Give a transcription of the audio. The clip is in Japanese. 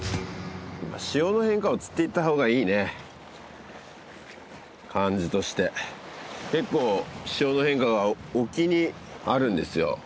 潮の変化を釣っていったほうがいいね感じとして結構潮の変化が沖にあるんですよ